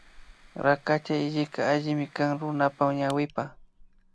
Rakacha hillika allimi kan runapa ñawipa